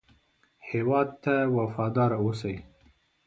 هېواد ته وفاداره اوسئ